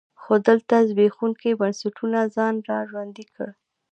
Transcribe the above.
خو دلته زبېښونکي بنسټونو ځان را ژوندی کړ.